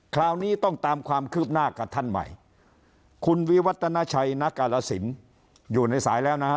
คราวนี้ต้องตามความคืบหน้ากับท่านใหม่คุณวิวัตนาชัยณกาลสินอยู่ในสายแล้วนะฮะ